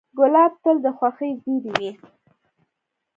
ګلاب تل د خوښۍ زېری وي.